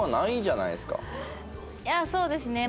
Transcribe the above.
いやそうですね。